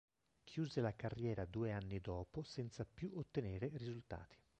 Chiuse la carriera due anni dopo senza più ottenere risultati.